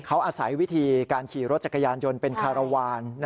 เขาอาศัยวิธีการขี่รถจักรยานยนต์เป็นคารวาล